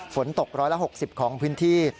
ฝนตก๑๖๐ของพื้นที่